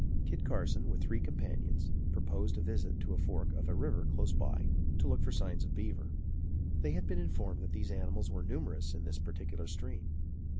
Kit Carson, with three companions, proposed a visit to a fork of a river close by, to look for signs of beaver. They had been informed that these animals were numerous in this particular stream.